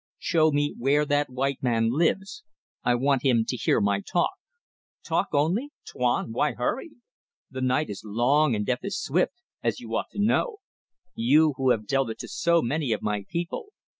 Show me where that white man lives; I want him to hear my talk." "Talk only? Tuan! Why hurry? The night is long and death is swift as you ought to know; you who have dealt it to so many of my people.